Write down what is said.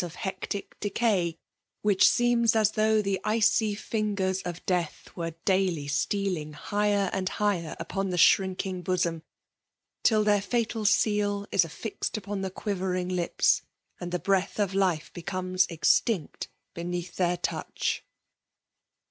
of hectic decay, wfaidi seems as tiiough the' icj fingers of death were dailj stealing higher and higher upon the shrinking bosoni> till their fatal seal is affixed iq)on the quivering lips> and the breath of life becomes extinct beneath their touch